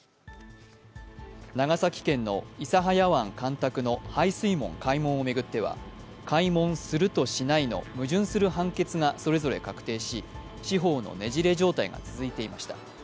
長崎県の諫早湾干拓の排水門開門を巡っては開門するとしないの矛盾する判決がそれぞれ確定し、司法のねじれ状態が続いていました。